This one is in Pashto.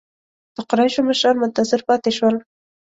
د قریشو مشران منتظر پاتې شول.